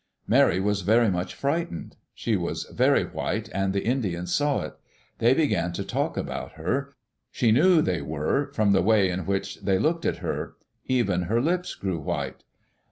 Mary was very much frightened. She was very white and the Indians saw it. They began to talk about her. She knew they were from the way in which they looked at her. Even her lips grew white.